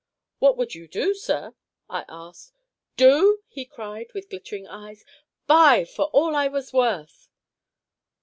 "What would you do, sir?" I asked. "Do?" he cried, with glittering eyes. "Buy for all I was worth!"